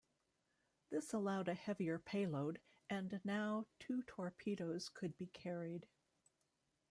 This allowed a heavier payload, and now two torpedoes could be carried.